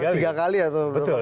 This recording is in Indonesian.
tiga kali atau berapa